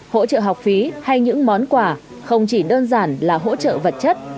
hỗ trợ học phí hay những món quà không chỉ đơn giản là hỗ trợ vật chất